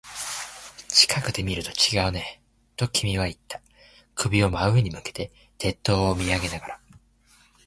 近くで見ると違うね、と君は言った。首を真上に向けて、鉄塔を見上げながら。